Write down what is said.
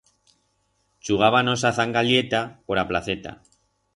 Chugábanos a zangalleta por a placeta.